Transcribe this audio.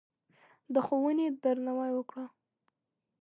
د ښوونې درناوی وکړه.